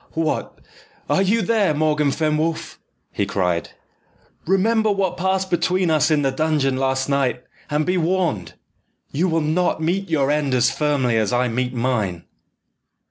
"What, are you there, Morgan Fenwolf?" he cried. "Remember what passed between us in the dungeon last night, and be warned! You will not meet your end as firmly as I meet mine?"